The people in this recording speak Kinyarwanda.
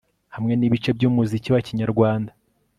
hamwe nibice byumuziki wa kinyarwanda